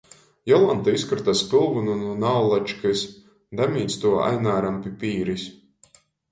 Jolanta izkrota spylvynu nu naulačkys, damīdz tū Aināram pi pīris.